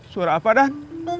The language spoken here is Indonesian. suara apa dan